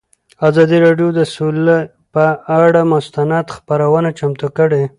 ازادي راډیو د سوله پر اړه مستند خپرونه چمتو کړې.